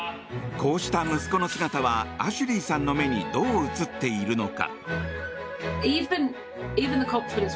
こうした息子の姿はアシュリーさんの目にどう映っているのか。